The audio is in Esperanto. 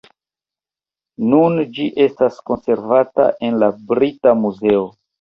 Nun ĝi estas konservata en la Brita Muzeo.